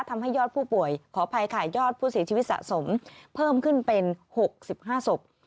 ทำให้ยอดผู้ป่วยขออภัยค่ะยอดผู้เสียชีวิตสะสมเพิ่มขึ้นเป็น๖๕ศพ